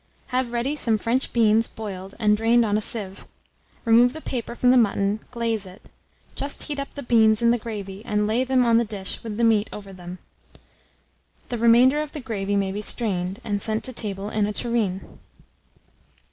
Have ready some French beans, boiled, and drained on a sieve; remove the paper from the mutton, glaze it; just heat up the beans in the gravy, and lay them on the dish with the meat over them. The remainder of the gravy may be strained, and sent to table in a tureen.